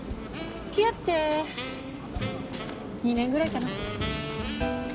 付き合って２年ぐらいかな？